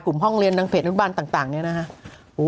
กลุ่มห้องเรียนนังเฟสอนุบาลต่างเนี่ยนะฮะ